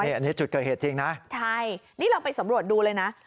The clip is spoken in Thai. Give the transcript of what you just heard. อันนี้จุดเกิดเหตุจริงนะใช่นี่เราไปสำรวจดูเลยนะ